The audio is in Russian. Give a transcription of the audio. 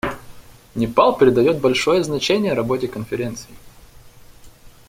Непал придает большое значение работе Конференции.